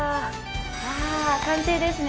うわぁ、完成ですね！